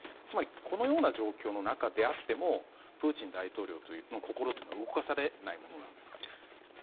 つまり、このような状況の中であってもプーチン大統領の心は動かされないものなんですか。